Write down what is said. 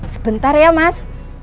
sebentar ya mas